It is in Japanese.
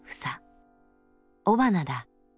雄花だ。